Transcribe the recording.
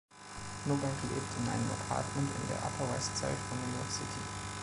Novak lebt in einem Apartment in der Upper West Side von New York City.